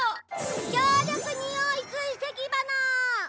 強力においついせき鼻！